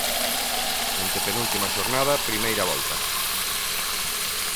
Antepenúltima xornada, primeira volta.